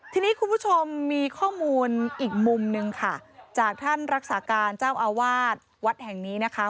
ทีนี้คุณผู้ชมมีข้อมูลอีกมุมนึงค่ะจากท่านรักษาการเจ้าอาวาสวัดแห่งนี้นะคะ